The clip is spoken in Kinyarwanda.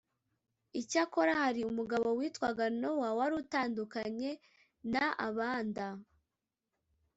Icyakora hari umugabo witwaga Nowa wari utandukanye na abanda